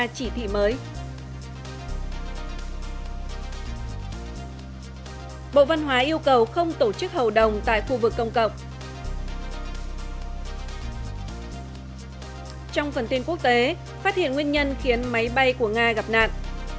trong phần tin quốc tế phát hiện nguyên nhân khiến máy bay của nga gặp nạn